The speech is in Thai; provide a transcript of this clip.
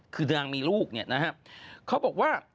คือนางมีลูกเนี่ยนะฮะเขาบอกว่า